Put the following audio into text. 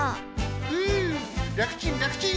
ふうらくちんらくちん！